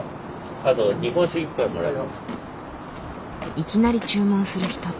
いきなり注文する人。